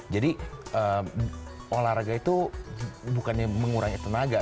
jadi olahraga itu bukannya mengurangi tenaga